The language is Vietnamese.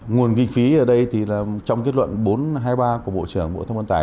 nguồn kinh phí ở đây thì là trong kết luận bốn trăm hai mươi ba của bộ trưởng bộ thông an tài